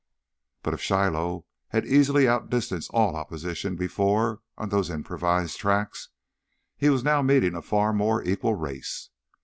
But if Shiloh had easily outdistanced all opposition before on those improvised tracks, he was now meeting a far more equal race.